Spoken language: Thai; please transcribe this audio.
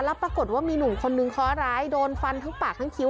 แล้วปรากฏว่ามีหนุ่มคนนึงเคาะร้ายโดนฟันทั้งปากทั้งคิ้ว